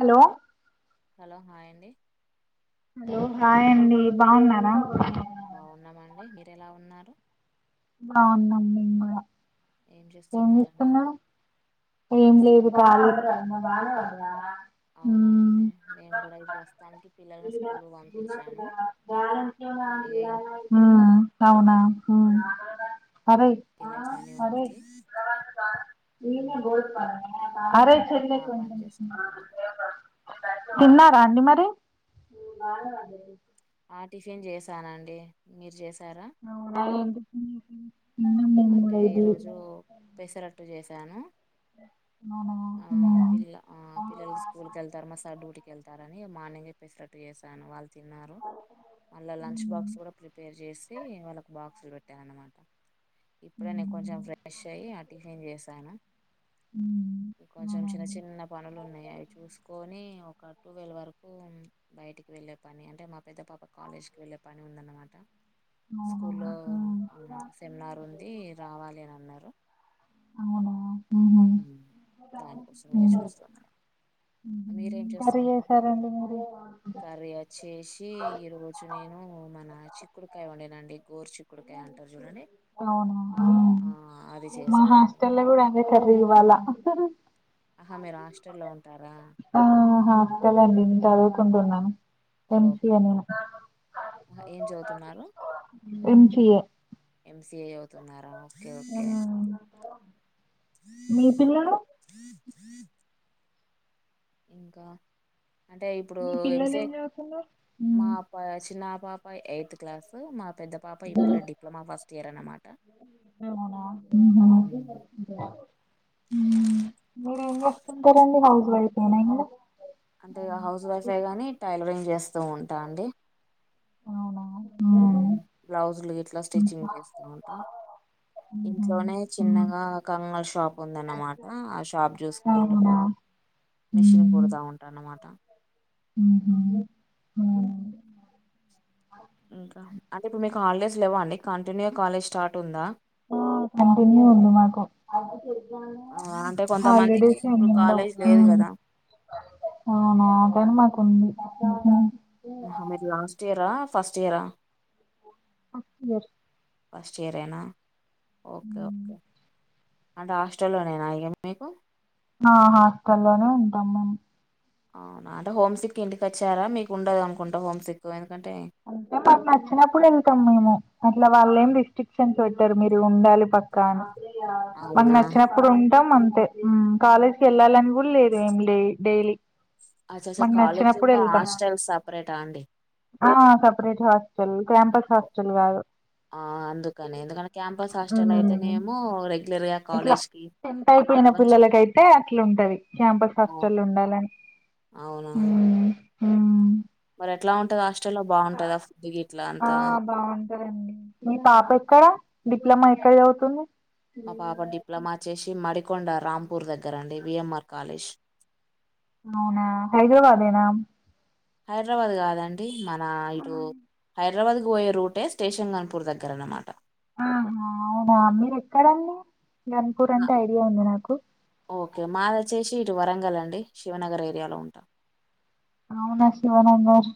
Hello hello hi అండి hello hi అండి బాగున్నారా బావున్నాం అండి మీరు ఎలా ఉన్నారు. బాగున్నాం మేము గూడా ఏం చేస్తున్నారండి ఏం ప్రస్తు లేదు ఖాళీ అవునా హ్మ్ అండి మేము కూడా ఇప్పుడు ప్రస్తుతానికి పిల్లల్ని స్కూల్ ఇన్న పంపించాను బ్యాలన్ ఇక ఇంటికి [unintelligible] హా అవునా హ్మ్ కెళ్ళే పనే ఉంది హ్మా అరే చెల్లే కొంచెం చేసుకోవాలి తిన్నారా అండి మరి. అ టిఫిన్ చేశానండి మీరు చేశారా అవునా మేము అంటే కూడా ఈరోజూ ఇడ్లీ పెసరట్టు చేశాను. అవునా పిల్లా ఆ పిల్లలు స్కూళ్కి ఎళ్తారు మా సార్ డ్యూటీకి ఎళ్తారనీ మార్నింగే పేసరట్టు చేశాను వాళ్ళ్ తిన్నారు వాళ్ళ లంచ్ హ్మ్. బాక్స్ కూడా ప్రిపేర్ చేశీ వాళ్ళకు బాక్సులు పెట్టాను అన్నమాట. ఇప్పుడె నే హ్మ్. కొంచెం ఫ్రెష్ అయ్యి అ టిఫిన్ చేశాను ఇంక్ హ్మ్. కొంచెం చిన్న అవునండి. చిన్న పనులు ఉన్నయి అవి చూసుకోనీ ఓ ఒక టూవెల్వ్ వరకూ ఉమ్ బయటికి వెళ్ళే పని అంటే మా పెద్ద పాప కాలేజ్కి వెళ్ళే పని ఉందన్నమాట. అవునా? స్కూళ్ళో హ్మ్. ఉం సెమినార్ ఉందీ రావాలి అని అన్నారు. అవునా హుహు. హ్మ్ దానికోసమే హ్మ్. హుహు. చూస్తున్నాను మీరేం ఏం చేస్తూ కర్రీ ఉంటారు చేశారండి మీరు కర్రీ వచ్చేశీ ఈ రోజు నేనూ మనా చిక్కుడుకాయ వండినా అండి గోరుచుక్ చిక్కుడుకాయ అంటరు చూడండి ఆ అది మా చేశానన్నమాట. హాస్టల్‌లో గూడా అదే కర్రీ ఇవాళా అహా మీరు హాస్టల్లో ఉంటారా ఆ హాస్టల్ అండి నేను చదువుకుంటున్నాను ఎంసీఏ నేను. అహ ఏం చదువుతున్నారు. ఎంసీఏ ఎంసీఏ చదువుతున్నారా ఓకే ఓకే. హ్మ్. త్రీ మీ పిల్లలు? త్రీ [inaudible] ఇంకా అంటే ఇప్పుడూ మీ ఎంసీఏ పిల్లలేం చే క్ మా హ్మ్. పాయ్ చిన్నా పాప ఎయిత్ క్లాసు మా పెద్ద పాప ఇప్పుడే డిప్లొమా ఫస్ట్ ఇయర్ అన్నమాట ఊ. ఊ మీరేం చేస్తుంటరండి హౌస్ వైఫే నా ఇంట్లో. అంటే హౌస్ వైఫే గాని టైలరింగ్ చేస్తూ ఉంటా అండి. అవునా హ్ము ఊహు బ్లౌజులు గిట్లా స్టిచ్చింగ్ చేస్తా ఉంటా. ఇంట్లోనే చిన్నగా కంగనల్ షాప్ ఉందన్నమాటా ఆ షాప్ చూస్ అవునా మిషిన్ కుడతా ఉంటా అన్నమాట ఉ అంటే ఇప్పుడు మీకు హాలిడేస్ లేవ్వ అండి కంటిన్యూ కాలేజ్ స్టార్ట్ ఉందా ఆ కంటిన్యూ ఉంది మాకు ఆ అంటే ఆలెడ్రి కొంతమందికి ఇప్పుడు సింగింగ్ కాలేజ్ లేదు కదా అవునా ఆటైం మాకుంది హ మీర్ లాస్ట్ ఇయరా ఫస్ట్ ఇయరా [inaudible] ఫస్ట్ ఇయరేనా ఓకే ఓకే అంటే హాస్టల్లోనేనా ఇగ మీకు ఆ హాస్టల్లోనే ఉంటాము అవునా అంటే హోమ్ సిక్ ఇంటికి వచ్చారా మీకు ఉండదనుకుంటా హోమ్ సిక్ ఎందుకంటే అంటే మకు నచ్చినప్పుడు ఎల్తం మేము అట్లా వాళ్ళు ఏం రిస్ట్రిక్షన్స్ పెట్టరు మీరు ఉండాలి పక్కా అని మాకు అవునా నచ్చినప్పుడు ఉంటాం అంతే కాలేజ్కి వెళ్ళాలని రూల్ లేదు ఏం లే డైలీ అచ్చచ్చ మాకు నచ్చినప్పుడు కాలేజీల్లో వెళ్తాం హాస్టల్ సపరేటా అండి ఆ సపరేట్ హాస్టల్ క్యాంపస్ హాస్టల్ కాదు ఆ అందుకని ఎందుకంటే క్యాంపస్ హాస్టల్ ఉమ్, అయితేనేమో రెగ్యులర్గా ఇట్లా టెన్త్ అయిపోయిన పిల్లలక అయితే అట్లా ఉంటుంది క్యాంపస్ ఆ, హాస్టల్ ఉండాలని అవునా మ్ మరి ఎట్లా ఉంటుది ఆస్టల్ లో బాగుంటుందా దుక్ గిట్లా ఆ బాగుంటదండి మీ పాప ఎక్కడా డిప్లొమా ఎక్కడ చవుతుంది మా పాప డిప్లొమా చేసి మడికొండ రాంపూర్ దగ్గర అండి విఎంఆర్ కాలేజ్ అవునా హైదరాబాదేనా హైదరాబాద్ కాదండి మన ఇటు హైదరాబాద్ కు పోయే రూటే స్టేషన్ గన్పూర్ దగ్గర అనమాట ఆహా అవునా మీరెక్కడండి గణపూర్ ఆ, అంటే ఐడియా ఉంది నాకు ఓకే మాది వచ్చేసి ఇటు వరంగల్ అండి శివనగర్ ఏరియాలో ఉంటాం అవునా శివనగర్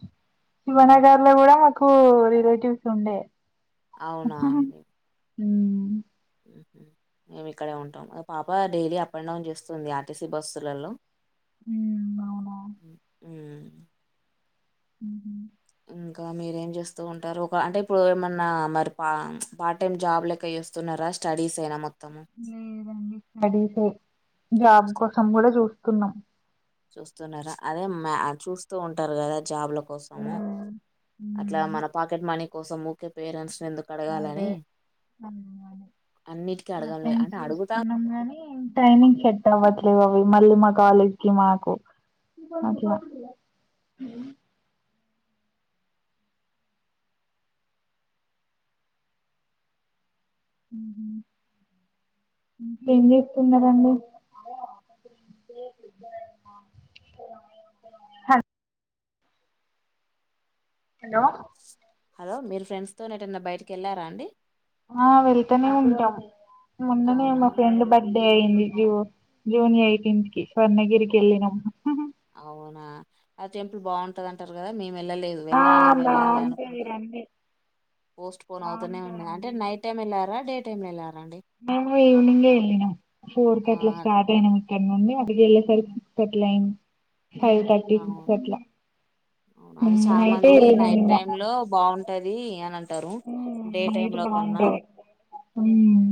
ఉమ్, శివనగర్ లో కూడా ఎక్కువ రిలేటివ్స్ ఉండే అవునా అండి మేము ఇక్కడే ఉంటాం పాప డైలీ అప్ అండ్ డౌన్ చేస్తుంది ఆర్టీసీ బస్సులలో ఉమ్, అవునా ఎ అ ఇంకా మీరేం చేస్తూ ఉంటారు ఒక అంటే ఇప్పుడు ఏమన్నా మరి పా పార్ట్ టైమ్ జాబ్ లెక్కే చేస్ స్తున్నారా స్టడీస్ ఏనా మొత్తం లేదండి స్టడీసే జాబ్ కోసం కూడా చూస్తున్నాం చూస్తున్నారా అదే మ చూస్తూ ఉంటారు కదా జాబ్ లో కోసము ఉమ్ అట్లా ఉమ్, మన పాకెట్ మనీ కోసం ఊకె పేరెంట్స్ నెందుకు అదే [unintelligible] అన్నిటికీ ఆ అడగంలే పైన అంటే అడుగుతా చూసుకున్నాం గాని టైమింగ్ సెట్ అవ్వట్లేవు అవి మళ్ళీ మా కాలేజ్ కి మాకు అట్లా అ ఇంకేం చేస్తున్నారండి హలో హలో మీరు ఫ్రెండ్స్తోని ఎటన్నా బయటికి వెళ్ళారా అండి ఆ వెళ్తనే ఉంటా మొన్ననే అవునా మా ఫ్రెండ్ బడ్ బర్డే అయింది జూ జూన్ ఎయిటీన్త్కి స్వర్ణగిరికి వెళ్ళినం అవునా ఆ టెంపుల్ బాగుంటది అంటరు కదా మేము వెళ్ళలేదు వెళ్ళాలి వెళ్ళాలి అనుకుంటే పోస్ట్ పోన్ అవుతూనే ఉన్నది అంటే నైట్ టైమ్ వెళ్ళారా డే టైమ్ వెళ్ళారాండి మేము ఈవనింగే వెళ్ళినం ఫోర్ ఆ కట్ల స్టార్ట్ అయినం ఇక్కడ నుండి అక్కడికి వెళ్ళేసరికి సిక్స్ థర్టీ అయింది ఫైవ్ థర్టీ సిక్స్ అవును అట్లా అవును అది చాలా నైటే మంది వెళ్ళినం నైట్ టైమ్ లో బాగుంట టది అన ఉమ్ నైట్ బాగుంటది ఉమ్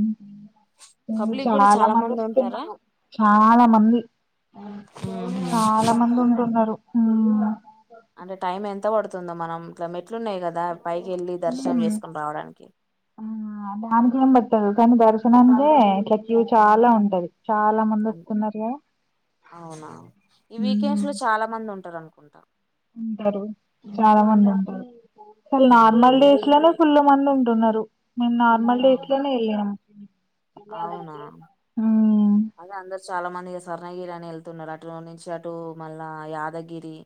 ఓ పబ్లిక్ కూడా చాలా మంది ఉంటారా వస్తున్నారు చాలా మంది మ్మ్ హ్మ్ చాలా మంది ఉంటున్నరు అంటే టైం ఎంత పడుతుందో మనం ఇట్ల మెట్లున్నాయి కదా పైకి వెళ్ళి దర్శనం మ్మ్ చేసుకొని రావడానికి ఆ దానికి ఏం పట్టదు కానీ దర్శనానికే ఇట్ల క్యూ చాలా ఉంటది చాలా మంది అన్- వస్తున్నరుగదా అవునా ఈ వీకెండ్స్ ఉమ్ లో చాలా మంది ఉంటారనుకుంటా ఉంటరు చాలా మంది ఉంటరు అసలు ఉహు నార్మల్ డేస్ లోనే ఫుల్లు మంది ఉంటున్నరు మేము నార్మల్ అవు డేస్ లోనే వెళ్ళాము అవునా ఆ అదే అందరు చాలా మంది ఇగ స్వర్ణగిరి అని వెళ్తున్నరు అటు నుంచి అటు మళ్ళా యాదగిరి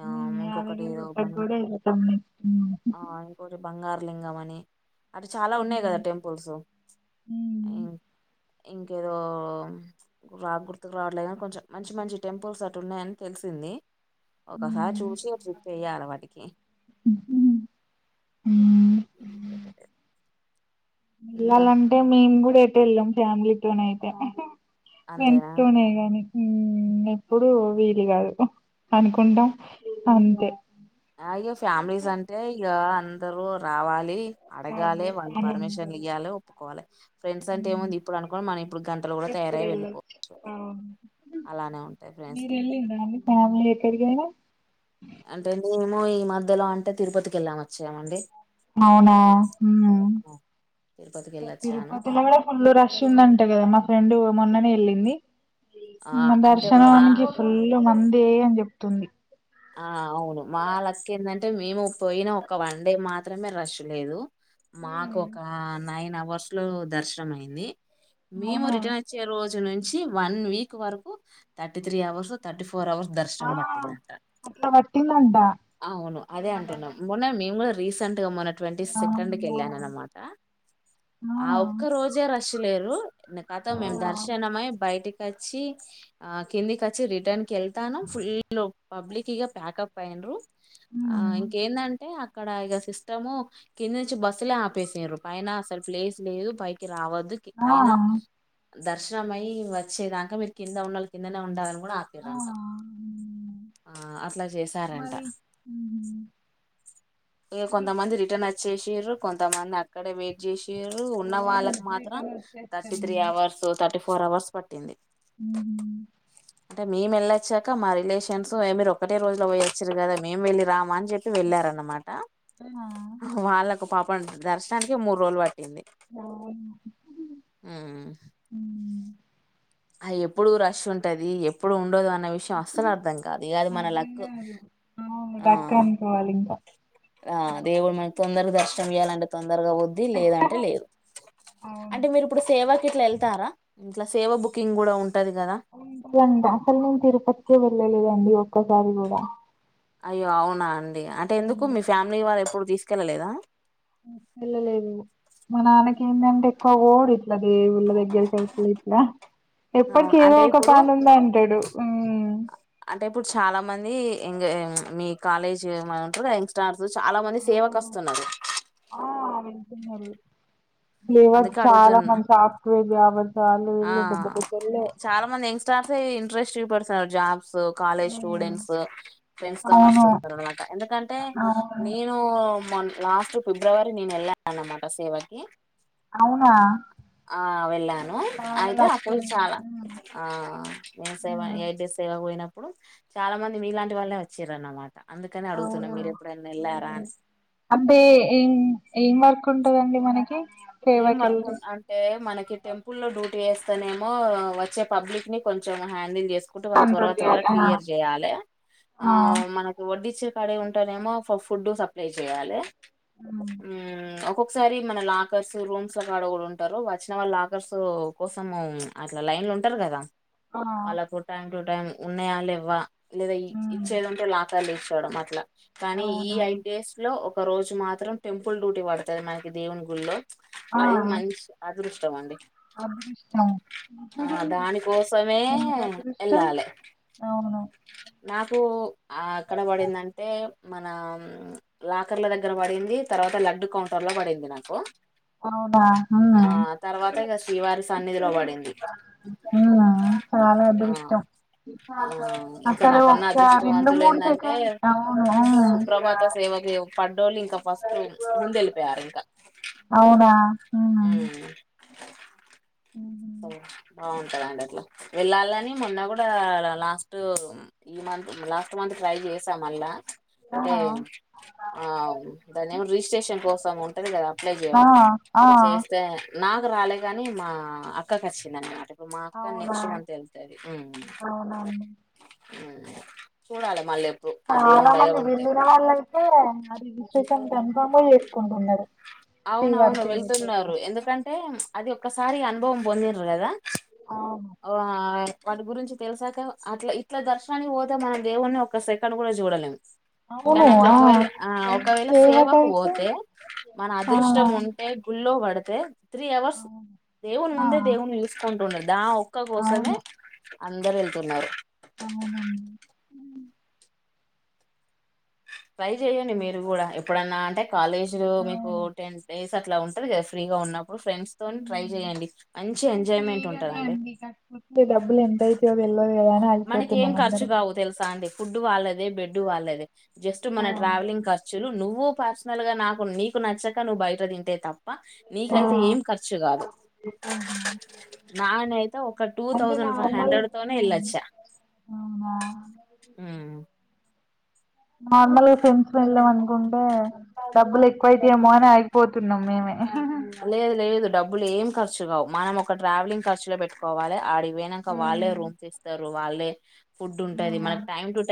ఆ ఉమ్, ఇంకొఫాస్ట్ కటి యాదగిరి ఏదో గుట్టకి కూడా వెళ్తాం నెక్స్ట్ ఉమ్. ఆ ఒక బంగారులింగంమనే అటు చాలా ఉన్నాయి కదా టెంపుల్స్ ఇంకేదో రా గుర్తుకు రావట్లే కానీ కొంచెం మంచి మంచి టెంపుల్స్ అటు ఉన్నయని తెలిసింది ఒకసారి చూసి ట్రిప్ ఎయ్యాల వాటికి ఇంకా వెళ్లాలంటే మేము కూడా ఎటెల్లం ఫ్యామిలీతోనయితే అంతేనా ఫ్రెండ్స్తోనే ఇగ అన్ని ఉమ్ ఎప్పుడు వీలు కాదు అనుకుంటాం అంతే ఆ ఇగ ఫ్యామిలీస్ అంటే ఇక అందరు రావాలి అడగాలి అదే వాళ్ళు పని పర్మిషన్లు ఉంటది ఇయ్యాలి ఒప్పుకోవాలి ఫ్రెండ్స్ అంటే ఏముంది ఇప్పుడు అనుకోని మనం ఇప్పుడు గంటలు కూడా తయారై ఎప్పుడెళ్లలే వెళ్ళిపోవచ్చు ఆ అలానే ఉంటాయి ఫ్రెండ్స్ మీరు ది ఎల్లిలా అండి ఫ్యామలీ ఎక్కడికైనా అంటే మేము ఈ మధ్యలో అంటే తిరుపతికి వెళ్ళామ వచ్చామండి అవునా ఉమ్ ఆ, తిరుపతికి వెళ్ళొచ్చాను తిరుపతిల కూడా ఫుల్లు రష్ ఉందంట కదా మా ఫ్రెండ్ మొన్ననే వెళ్ళింది ఆ మా అంటే మా దర్శనానికి ఫుల్ మందే అని చెప్తుంది ఆ అవును మా లక్ ఏందంటే మేము పోయిన ఒక వన్ డే మాత్రమే రష్ లేదు మాకు ఉమ్. ఒక నైన్ అవర్స్ లో దర్శనం అయింది మేము అవునా రిటర్న్ అ వచ్చే రోజు నుంచి వన్ వీక్ వరకు thirty three hours thirty four hours దర్శనం పట్టిందంటా అట్ల వట్టిందంట అవును అదే అంటున్నాం మొన్న మేము కూడా రీసెంట్ గా మొన్న ట్వంటీ సెకండ్ కి వెళ్ళాను అన్నమాట అవు ఆ ఒక్క రోజే రష్లేదు కతం మేము దర్శనమై బయటికి వచ్చి ఆ కిందికి వచ్చి రిటర్న్ కి వెళ్తాను ఫుల్ పబ్లిక్గా ప్యాకప్ అయిన్రు ఆ ఇంకేందంటే అక్కడ ఇక సిస్టము కింద నుంచి బస్సులే ఆపేసిన పైన అసలు ప్లేస్ లేదు పైకి రావద్దు ఆ పైన ఆ దర్శనం అయ్యి వచ్చేదాక మీరు కింద ఉండాలి కిందనే ఉండాలని కూడా ఆ ఆపిర్రంట హ్మ్ ఆ అట్లా చేసారంట మరి హుహు. ఇక మీరు కొంతమంది రిటర్న్ వచ్చేసిర్రు కొంతమంది అక్కడే వెయిట్ చేసారు ఉన్న అవును వాళ్ళకి మాత్రం రిటర్న్ థర్టీ వచ్చేస్తారు త్రీ ఇంగ అవర్స్ థర్టీ ఫోర్ అవర్స్ పట్టింది ఉ అంటే మేము వెళ్ళొచ్చాక మా రిలేషన్స్ మీరు ఒకటే రోజు లో పోయొచ్చారు కదా మేము వెళ్ళి రామ అని చెప్ వెళ్ళారనమాట ఆ వాళ్ళకు పాపం దర్శనానికి మూడు రోజులు పట్టింది అవును ఆ హ్మ్. అ ఎప్పుడు రష్ ఉంటది ఎప్పుడు ఉండదు అన్న శాస్త్రనార్థం కాదు ఇ అది మన అర్థం లక్ ఆ కావాలింకా ఆ దేవుడు మన తొందర దర్శనం చేయాలంటే తొందరగా వద్ది లేదంటే లేదు అవును అంటే మీరిప్పుడు సేవాకి ఇట్లా వెళ్తారా ఇంట్లా సేవ బుకింగ్ కూడా ఉంటది కదా అట్లండి అసలు నేను తిరుపతికే వెళ్ళలేదండి ఒక్కసారి కూడా అయ్యో అవునా అండి అంటే ఎందుకు మీ ఫ్యామిలీ వాళ్ళ ఎప్పుడు తీసుకెళ్ళలేదా వెళ్ళలేదు మా నాన్నకి ఏందంటే ఎక్కువ పోడు అదే వీళ్ళ దగ్గరకైతే ఇట్లా ఎప్పటికి అవును ఏదో అంటే ఒక ఇప్పుడు పనుంది అంటాడు అంటే ఇప్పుడు చాలా మంది ఇంగ్ మీ కాలేజ్ ఉంట యంగ్ స్టార్స్ చాలా మంది సేవకు వస్ అవును. స్తున్నది ఆ వెళుతున్నారు ఇవ అందుకే చాలా అడుగుతున్నా మన సాఫ్ట్వేర్ జాబ్ అంటా ఆళ్లు వీళ్ళు పెద్ద పెద్దళ్లే యంగ్స్టార్స్ఇంట్రెస్ట్ చూపెడతారు జాబ్స్ కాలేజ్ ఉమ్ స్టూడెంట్స్ ఫ్రెండ్స్ తో అవును వస్తునమాట ఎందుకంటే అవును నేను న మ లాస్ట్ ఫిబ్రవరి నేను ఎల్లా అన్నమాట సేవకీ అవునా ఆ వెళ్ళాను చాలా అయితే లక్కీ అప్పుడు అండి చాలా ఉమ్, ఆ మే సేవ ఉమ్, ఏ ఐతే సేవ పోయినప్పుడు చాలా మంది మీలాంటి వాళ్ళే వచ్చిర్రన్నమాట అందుకని అడుగుతున్నా మీరెప్పుడైనా వెళ్లారా అని అబ్బే ఏం ఏం వర్క్ ఉంటందండి మనకి ఏం సేవకి వర్కు అం వెళ్తే అంటే మనకి టెంపుల్ల్లో డ్యూటీ చేస్తానేమో వచ్చే పబ్లిక్ ని కొంచెం హ్యాండిల్ చేసుకు కుటుంబాల కంట్రోల్ తర్వాత త్వరగా చేయాలి ఆ క్లియర్ చేయాలే ఆ మన వడ్డిచ్చే కాడే ఉంటానేమో ఫుడ్ సప్లై చేయ్యాలి ఉమ్ ఒక్కొక్కసారి మన లా లాకర్స్ రూమ్స్ లో కాడ కూడా ఉంటారు వచ్చిన వాళ్ళ లాకర్స్ కోసం అట్లా లైన్లు ఉంటారు కదా ఆ, వాళ్ళకు టైం టు టైమ్ ఉన్నాయా లేవ్వ లేదా ఉమ్, ఇచ్చేది ఉంటే లాకల్ ఇచ్చకోవడం అట్లా కానీ ఈ అవునా ఐట్ డేస్ లో ఒక రోజు మాత్రం టెంపుల్ డ్యూటీ పడుతది మనకి దేవుని గుళ్లో ఆ అది మంచి అదృష్టం అండి అదృష్టం ఆ దానికోసమే ఎంత అదృష్టం వెళ్ళాలి అవును నాకు అక్కడ పడిందంటే మన లాకర్ల దగ్గర పడింది తర్వాత లడ్డు కౌంటర్ లో పడింది నాకు అవునా ఆ ఉమ్ తర్వాత ఇక శ్రీవారి సన్నిధిలో పడింది ఉమ్ చాలా ఆ అదృష్టం ఆ ఇంకా అసలు నాకన్నా ఒక రెండు అదృష్టవంతులు మూడు ఏందంటే సెకండ్ అవును సుప్రభాత సేవకి పడ్డోళ్ళు ఇంక ఫస్ట్ ముందు వెళ్ళిపోయారు ఇంకా అవునా మ్ ఉమ్ ఉహు బాగుంటదండి అట్లా వెళ్ళాలని మొన్న కూడా లాస్ట్ ఈ మంత్ లాస్ట్ మంత్ ట్రై చేసా మళ్ళా అంటే ఆహా ఆ దాన్ని ఏమో రిజిస్ట్రేషన్ కోసం ఉంటది కదా అప్లై చేయడం ఆ ఆ చేస్తే నాకు రాలే గాని మా అక్కకు వచ్చింది అనమాట ప్పు మా అక్క అవునా నెక్స్ట్ మంత వెళ్తది మ్ అవునండి మ్ చూడాలి మళ్ళీ ఎప్పుడు ఆ చాలా దేవుని దయ మంది ఉంటే వెళ్ళిన వాళ్ళయితే ఆ రిజిస్ట్రేషన్ కన్ఫర్మ్ గా చేసుకుంటున్నారు శ్రీవారి అవునవును సేవ కోసం వెళ్తున్నారు ఎందుకంటే అది ఒక్కసారి అనుభవం పొందిన్రు కదా అవును ఆ వాటి గురించి తెలిసాక అట్లా ఇట్లా దర్శనానికి పోతే మన దేవున్ని ఒక సెకండ్ కూడా చూడలేము అవును కానీ అట్లా ఆ ఒకవేళ ఆ ఒకవేళ సేవకు సేవకైతే పోతే మన ఆ అదృష్టం ఉంటే గుల్లో పడితే త్రీ అవర్స్ అవును దేవుని ముందే ఆ దేవుని కుంటుండేది దా ఒక్క కోసమే అవును. అందరు వెళ్తున్నారు అవునా ట్రై చెయండి మీరు కూడా ఎప్పుడన్నా అంటే కాలేజీ లో మీకు అవును. టెన్ డేస్ అట్లా ఉంటంది కదా ఫ్రీగా ఉన్నప్పుడు ఫ్రెండ్స్ తో ట్రై ఉమ్. చేయయండి మంచి మేము ఎంజాయ్మెంట్ ఫ్రీగానే ఉంటందండి అండి కాకపోతే డబ్బులు ఎంత అవుతదొ తెల్వదు కదా అని అగిపోతున్నామ్ అందరం అవుదు తెల్సా అండి ఫుడ్ వాళ్ళదే బెడ్ వాళ్ళేదే జస్ట్ ఆ మన ట్రావెలింగ్ ఖర్చులు నువ్వు పర్సనల్ గా నాకు నీకు నచ్చక నువ్వు బయట తింటే తప్ప ఆ నీకైతే ఏం ఖర్చు కాదు ఆహా! నానైతే ఒక టూ అంటే థౌజండ్ ఫైవ్ నార్మల్ హండ్రెడ్ తోనే ఉమ్, వెళ్ళొచ్చా అవునా మ్ నార్మల్గా ఫ్రెండ్స్ వెళ్ళాం అనుకుంటే డబ్బులు ఎక్కువైతే ఏమో అని ఆగిపోతున్నాం మేమే లేదు లేదు డబ్బులు ఏం ఖర్చు కావు మనం ఒక ట్రావెలింగ్ ఖర్చులే పెట్టుకోవాలి ఆడి పోనాక వాళ్ళే హ్మ్. రూమ్స్ ఇస్తారు వాళ్ళే ఫుడ్ ఉంటది హ్మ్. మనకి టైం టు టై